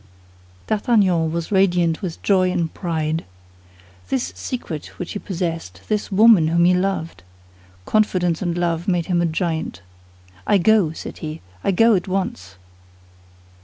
D'Artagnan was radiant with joy and pride. This secret which he possessed, this woman whom he loved! Confidence and love made him a giant. "I go," said he; "I go at once."